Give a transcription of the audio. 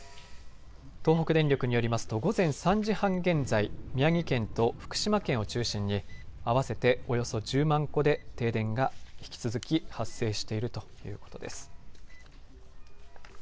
東北電力によりますと午前３時半現在、宮城県と福島県を中心に合わせておよそ１０万戸で停電が引き続き発生しているということです。